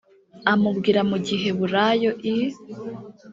amubwira mu giheburayo i